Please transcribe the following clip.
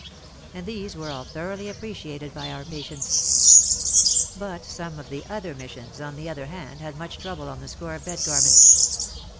And these were all thoroughly appreciated by our patients. But some of the other missions, on the other hand, had much trouble on the score of bed garments.